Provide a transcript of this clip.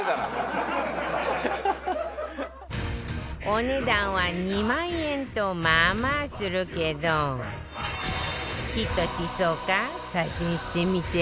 お値段は２万円とまあまあするけどヒットしそうか採点してみて